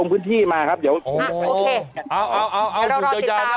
คุณติเล่าเรื่องนี้ให้ฮะ